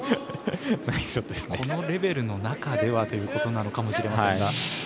このレベルの中ではということかもしれませんが。